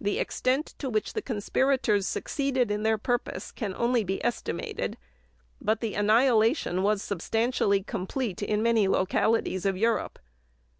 The extent to which the conspirators succeeded in their purpose can only be estimated, but the annihilation was substantially complete in many localities of Europe.